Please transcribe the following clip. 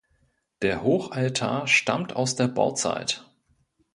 Der Hochaltar stammt aus der Bauzeit.